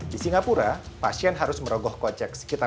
di singapura pasien harus merogoh kocek sekitar empat ratus ribu dolar